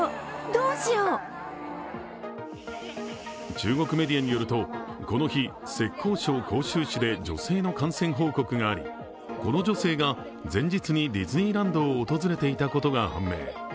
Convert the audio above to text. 中国メディアによると、この日、浙江省杭州市で女性の感染報告があり、この女性が前日にディズニーランドを訪れていたことが判明。